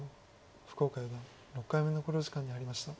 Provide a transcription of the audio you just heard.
福岡四段６回目の考慮時間に入りました。